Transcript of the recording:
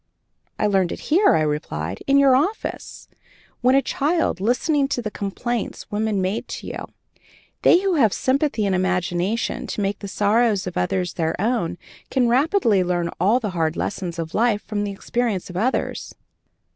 "I learned it here," I replied, "in your office, when a child, listening to the complaints women made to you. They who have sympathy and imagination to make the sorrows of others their own can readily learn all the hard lessons of life from the experience of others."